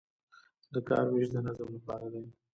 د کار ویش د نظم لپاره دی